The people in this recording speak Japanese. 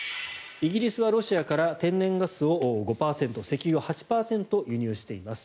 イギリスはロシアから天然ガスを５％石油を８％輸入しています。